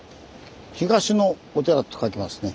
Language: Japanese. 東のお寺と書きますね。